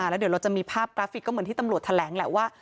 แล้วเดี๋ยวเราจะมีภาพกราฟิกก็เหมือนที่ตำรวจแถลงแหละว่า